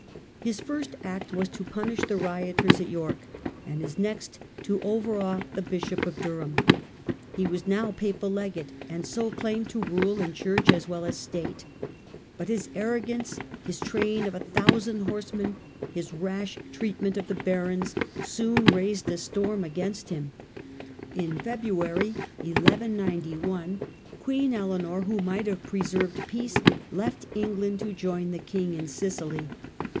His first act was to punish the rioters at York, and his next to overawe the Bishop of Durham. He was now papal legate, and so claimed to rule in church as well as state. But his arrogance, his train of a thousand horse Troubles in men, his rash treatment of the barons, soon England. raised a storm against him. In February, 1 191, Queen Eleanor, who might have preserved peace, left England to join the king in Sicily.